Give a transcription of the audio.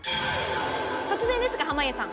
突然ですが、濱家さん。